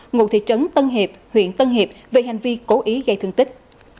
ngụ thị trấn tân hiệp huyện tân hiệp về hành vi cố ý gây thương tích